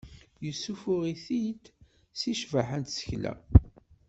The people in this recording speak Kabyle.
Yessuffuɣ-it-id seg ccbaḥa n tsekla.